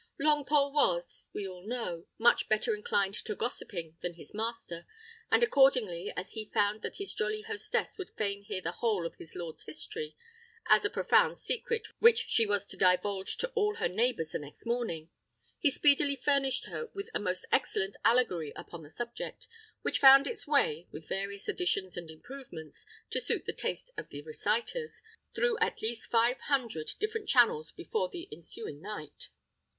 Longpole was, we all know, much better inclined to gossiping than his master; and accordingly, as he found that his jolly hostess would fain hear the whole of his lord's history, as a profound secret which she was to divulge to all her neighbours the next morning, he speedily furnished her with a most excellent allegory upon the subject, which found its way (with various additions and improvements, to suit the taste of the reciters) through at least five hundred different channels before the ensuing night.